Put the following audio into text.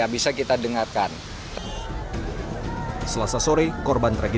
bisa kita dengarkan selasa sore